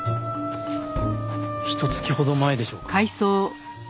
ひと月ほど前でしょうか。